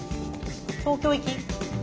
東京行き。